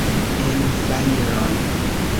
En fajron!